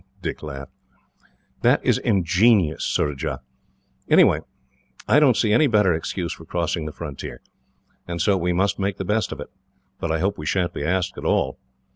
Dick laughed. "That is ingenious, Surajah. Anyhow, I don't see any better excuse for crossing the frontier, and so we must make the best of it; but I hope we sha'n't be asked at all."